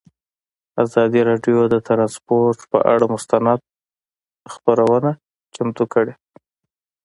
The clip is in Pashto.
ازادي راډیو د ترانسپورټ پر اړه مستند خپرونه چمتو کړې.